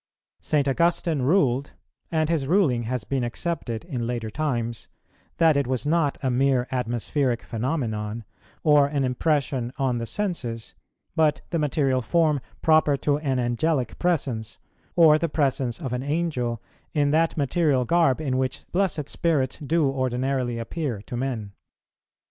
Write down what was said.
St. Augustine ruled, and his ruling has been accepted in later times, that it was not a mere atmospheric phenomenon, or an impression on the senses, but the material form proper to an Angelic presence, or the presence of an Angel in that material garb in which blessed Spirits do ordinarily appear to men.